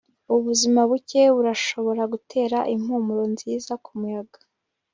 Ubuzima buke burashobora gutera impumuro nziza kumuyaga